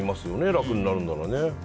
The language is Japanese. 楽になるなら。